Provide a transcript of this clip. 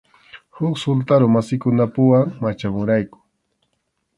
Huk sultarumasikunapuwan machamurayku.